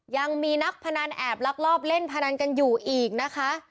ยังมีนักพนันแอบลักลอบเล่นพนันกันอยู่อีกนะคะ